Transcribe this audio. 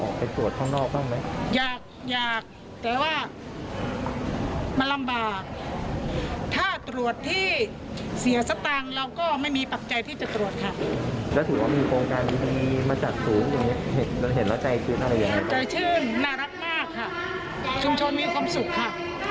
ขอบคุณค่ะที่มีการดีให้สำหรับชุมชนของเรานะคะ